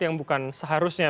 yang bukan seharusnya